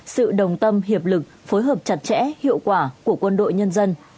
sự đồng tâm hiệp lực phối hợp chặt chẽ hiệu quả của quân đội nhân dân